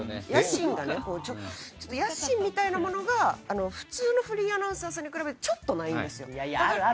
野心みたいなものが普通のフリーアナウンサーさんに比べてちょっとないんですよ。